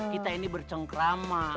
kita ini bercengkrama